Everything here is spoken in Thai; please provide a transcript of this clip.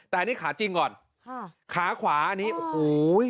แต่อันนี้ขาจริงก่อนค่ะขาขวาอันนี้โอ้โห